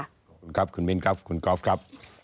ขอบคุณครับคุณมิ้นครับคุณกอล์ฟครับ